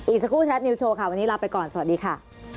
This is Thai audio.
อีกสักครู่แท็ตนิวโชว์ค่ะวันนี้ลาไปก่อนสวัสดีค่ะ